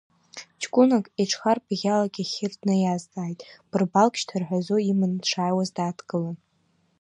Ҷкәынак иҽхарпаӷьала Кьахьыр днаиазҵааит, бырбалк шьҭарҳәазо иманы дшааиуаз дааҭгылан.